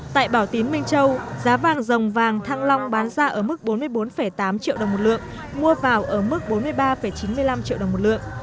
tại bảo tín minh châu giá vàng dòng vàng thăng long bán ra ở mức bốn mươi bốn tám triệu đồng một lượng mua vào ở mức bốn mươi ba chín mươi năm triệu đồng một lượng